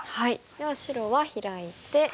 では白はヒラいて。